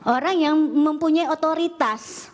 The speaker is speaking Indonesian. orang yang mempunyai otoritas